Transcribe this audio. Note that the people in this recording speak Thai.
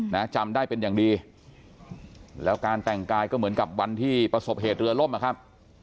นะจำได้เป็นอย่างดีแล้วการแต่งกายก็เหมือนกับวันที่ประสบเหตุเรือล่มอ่ะครับ